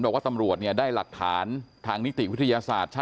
อย่างตำรวจเนี่ยได้หลักฐานทางนิติวิทยาศาสตร์